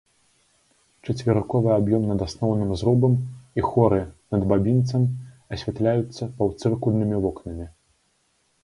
Чацверыковы аб'ём над асноўным зрубам і хоры над бабінцам асвятляюцца паўцыркульнымі вокнамі.